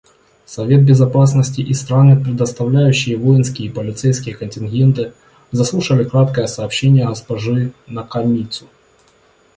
Совет Безопасности и страны, предоставляющие воинские и полицейские контингенты, заслушали краткое сообщение госпожи Накамицу.